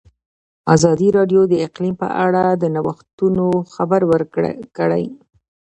ازادي راډیو د اقلیم په اړه د نوښتونو خبر ورکړی.